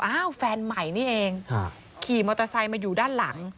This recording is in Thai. แฟนใหม่นี่เองขี่มอเตอร์ไซค์มาอยู่ด้านหลัง